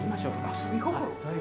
遊び心？